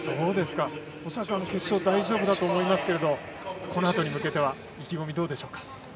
恐らく決勝大丈夫だと思いますけどこのあとに向けては意気込み、どうでしょうか。